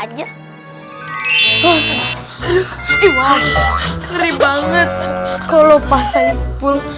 ngerti banget kalau